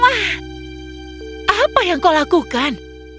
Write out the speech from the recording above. wah apa yang kau lakukan